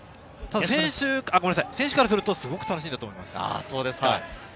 選手からするとすごく楽しいと思います。